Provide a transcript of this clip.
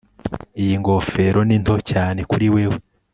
Iyi ngofero ni nto cyane kuri wewe